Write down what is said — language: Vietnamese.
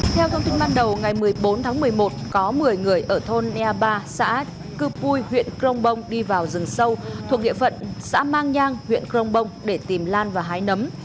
theo thông tin ban đầu ngày một mươi bốn tháng một mươi một có một mươi người ở thôn ea ba xã cư pui huyện crong bông đi vào rừng sâu thuộc địa phận xã mang nhang huyện crong bông để tìm lan và hái nấm